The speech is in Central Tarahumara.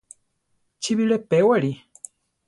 Chi bire pewari.